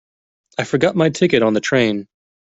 I forgot my ticket on the train.